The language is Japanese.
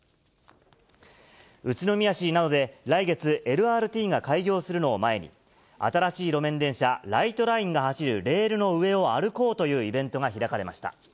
宇都宮市などで来月、ＬＲＴが開業するのを前に、新しい路面電車、ライトラインが走るレールの上を歩こうというイベントが開かれました。